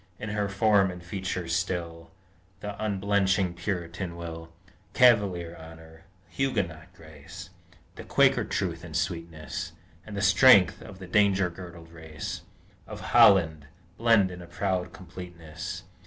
In her form and features still The unblenching Puritan will, Cavalier honor, Huguenot grace, The Quaker truth and sweetness, And the strength of the danger girdled race Of Holland, blend in a proud completeness.